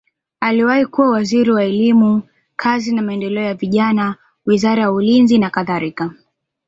Aliwahi kuwa waziri wa elimu, kazi na maendeleo ya vijana, wizara ya ulinzi nakadhalika.